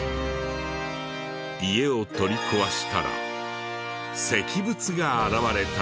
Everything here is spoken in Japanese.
家を取り壊したら石仏が現れたのです。